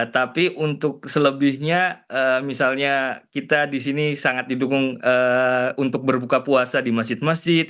tapi untuk selebihnya misalnya kita di sini sangat didukung untuk berbuka puasa di masjid masjid